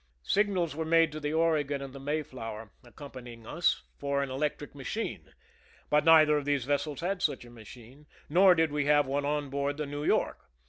Signals were made to the Oregon and the Mayflower^ accompanying us, for an electric machine ; but neither of these vessels had such a machine, nor did we have one on board the New York.